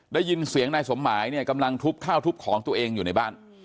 ได้ยินเสียงนายสมหมายเนี่ยกำลังทุบข้าวทุบของตัวเองอยู่ในบ้าน